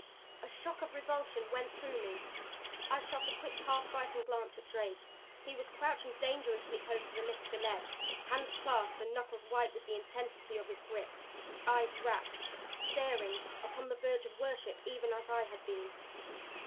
A shock of revulsion went through me. I shot a quick, half frightened glance at Drake. He was crouching dangerously close to the lip of the ledge, hands clasped and knuckles white with the intensity of his grip, eyes rapt, staring upon the verge of worship even as I had been.